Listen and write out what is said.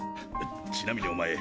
ちなみにお前